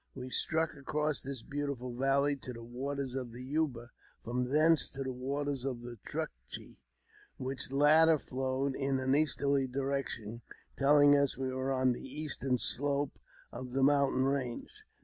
We struck across this beautiful valley to the waters of the Yuba, from thence to the waters of the Truchy, which latter flowed in an easterly direction, telling us we were on the eastern slope of the mountain range.